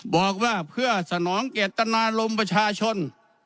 บอกว่าเพื่อสนองเจตนารมณ์ประชาชน